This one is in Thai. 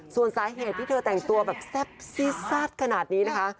ส่วนสาเหตุที่เธอแต่งตัวแบบแซ่บซีดซาดขนาดนี้นะคะ